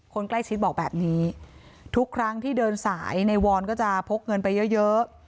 คนใกล้ชิดบอกแบบนี้ทุกครั้งที่เดินสายในวอนก็จะพกเงินไปเยอะเยอะ